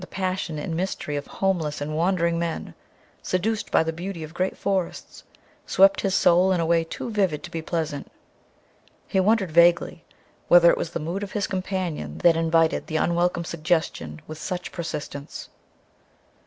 The passion and mystery of homeless and wandering men, seduced by the beauty of great forests, swept his soul in a way too vivid to be quite pleasant. He wondered vaguely whether it was the mood of his companion that invited the unwelcome suggestion with such persistence.